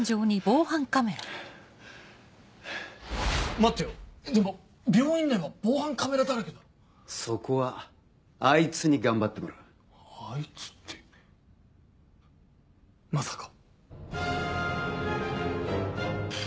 待ってよでも病院内は防犯カメラだらそこはあいつに頑張ってもらうあいつってまさか